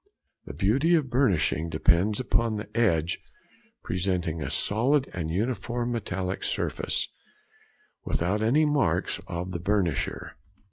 The beauty of burnishing depends upon the edge presenting a solid and uniform metallic surface, without any marks of the burnisher.